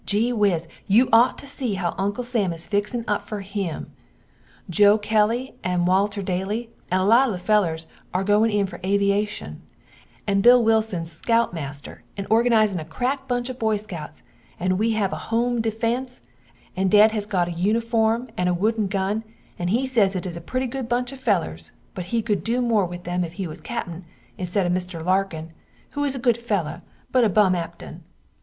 Gee whiz, you ot to see how Uncle Sam is fixin up fer him! Jo Kelly and Walter Daly and lot of the felers are going in fer aviashun and Bill Wilson's scout master and organizin a crack bunch of boy scouts and we have a home Deefence and dad has got a uniform and a wooden gun and he sez it is a pretty good bunch of felers, but he cood do more with them if he was captin insted of mister Larkin, who is a good feler but a bum eaptin.